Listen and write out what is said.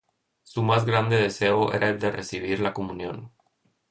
Su más grande deseo era el de recibir la comunión.